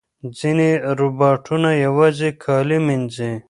ځینې روباټونه یوازې کالي مینځي.